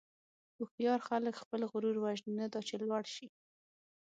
هوښیار خلک خپل غرور وژني، نه دا چې لوړ شي.